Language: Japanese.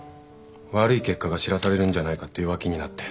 悪い結果が知らされるんじゃないかって弱気になって。